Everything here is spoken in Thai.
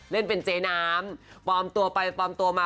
เล่นเป็นเจ๊น้ำปลอมตัวไปปลอมตัวมา